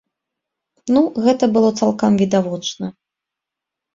Ну, гэта было цалкам відавочна.